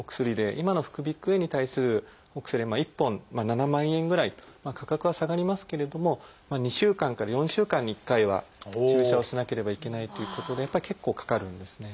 今の副鼻腔炎に対するお薬は１本７万円ぐらいと価格は下がりますけれども２週間から４週間に１回は注射をしなければいけないということでやっぱり結構かかるんですね。